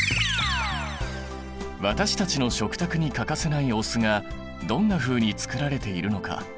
私たちの食卓に欠かせないお酢がどんなふうにつくられているのか。